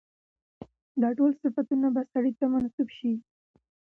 دا ټول صفتونه به سړي ته منسوب شي.